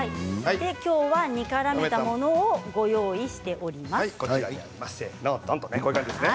今日は煮からめたものをご用意しております。